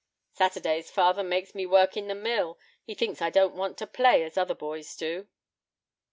"Saturdays father makes me work in the mill; he thinks I don't want to play, as other boys do."